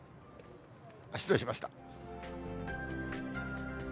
失礼しました。